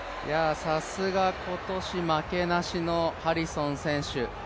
さすが、今年負けなしのハリソン選手。